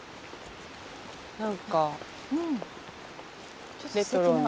何かレトロな。